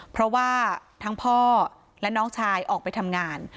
เพราะว่าทั้งพ่อและน้องชายออกไปทำงาน